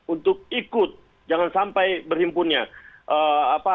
untuk ikut jangan sampai berhimpunnya